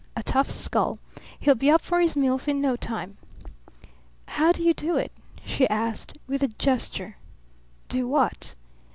A tough skull. He'll be up for his meals in no time." "How do you do it?" she asked with a gesture. "Do what?"